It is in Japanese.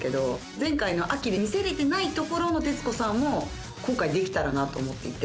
前回の秋で見せれてないところの徹子さんを今回できたらなと思っていて。